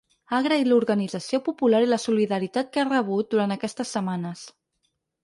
Ha agraït l’organització popular i la solidaritat que ha rebut durant aquestes setmanes.